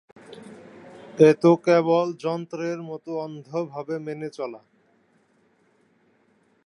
এ তো কেবল যন্ত্রের মতো অন্ধভাবে মেনে চলা।